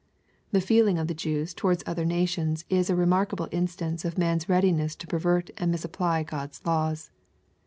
The feeling of the Jews towards other nations is a remarkable instance of man's readiness to pervert and misapply God's laws.